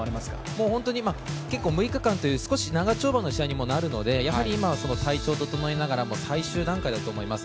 もう本当に結構６日間という長丁場の試合になるのでやはり今、体調を整えながらの最終段階だと思います。